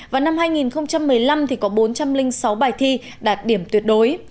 và năm hai nghìn một mươi năm có bốn trăm linh sáu bài thi đạt điểm tuyệt đối